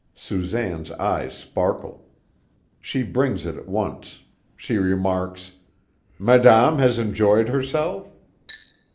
Susanne's eyes sparkle. She brings it at once. She remarks: "Madame has enjoyed herself?"